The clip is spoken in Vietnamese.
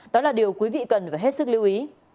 đó là điều quý vị cần phải hết sức lưu ý